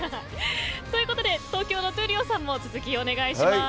ということで東京の闘莉王さんも続きお願いします。